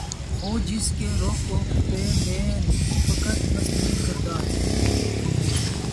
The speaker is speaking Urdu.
ہو جس کے رگ و پے میں فقط مستی کردار